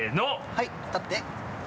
はい立って。